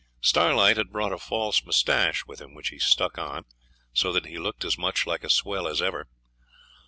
Starlight had brought a false moustache with him, which he stuck on, so that he looked as much like a swell as ever.